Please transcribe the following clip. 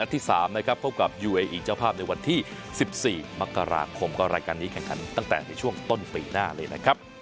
แต่เรารู้ว่าถ้าเราให้ทุกอย่าง